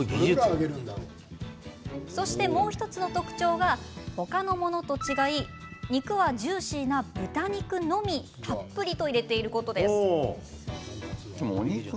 そして、もう１つの特徴が他のものと違い肉はジューシーな豚肉のみたっぷりと入れていること。